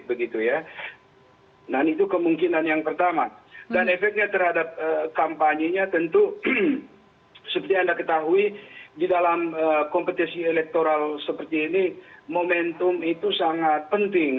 dan itu kemungkinan yang pertama dan efeknya terhadap kampanye nya tentu seperti anda ketahui di dalam kompetisi elektoral seperti ini momentum itu sangat penting